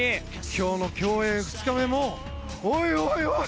今日の競泳２日目もおいおいおい！